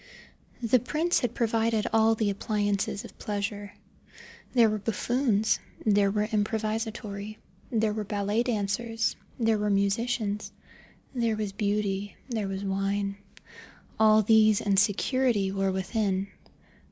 The prince had provided all the appliances of pleasure. There were buffoons, there were improvisatori, there were ballet dancers, there were musicians, there was Beauty, there was wine. All these and security were within.